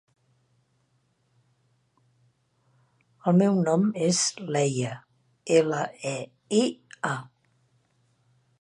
El meu nom és Leia: ela, e, i, a.